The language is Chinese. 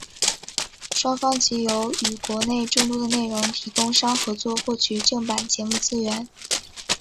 双方藉由与国内众多的内容提供商合作获取正版节目资源。